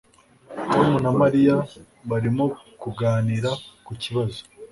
Tom na Mariya barimo kuganira ku kibazo